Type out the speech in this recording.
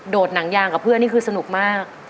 หนังยางกับเพื่อนนี่คือสนุกมาก